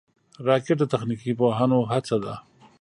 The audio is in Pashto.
راکټ د تخنیکي پوهانو هڅه ده